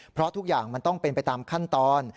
เพราะทุกอย่างมันต้องเป็นไปตามขั้นตอน